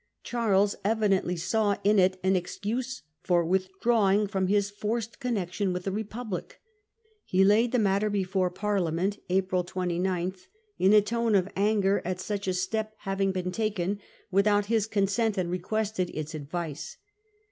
Charles evidently saw in it an excuse for with drawing from his forced connection with the Republic. He laid the matter before Parliament (April 29), in a tone of anger at such a step having been taken without his consent, and requested its advice.